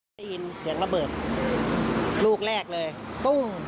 ได้ยินเสียงระเบิดลูกแรกเลยตุ้ม